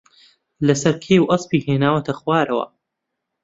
لەسەر کێو ئەسپی ھێناوەتە خوارەوە